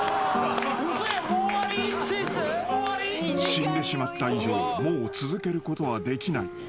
［死んでしまった以上もう続けることはできない］